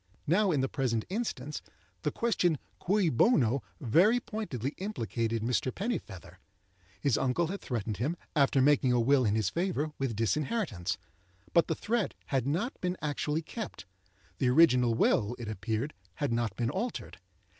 Now in the present instance, the question cui bono? very pointedly implicated Mr. Pennifeather. His uncle had threatened him, after making a will in his favour, with disinheritance. But the threat had not been actually kept; the original will, it appeared, had not been altered.